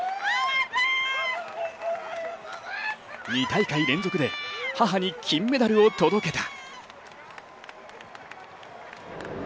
２大会連続で母に金メダルを届けた。